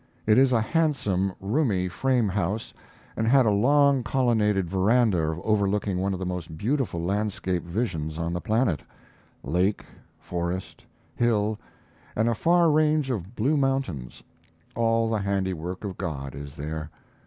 It is a handsome, roomy frame house, and had a long colonnaded veranda overlooking one of the most beautiful landscape visions on the planet: lake, forest, hill, and a far range of blue mountains all the handiwork of God is there.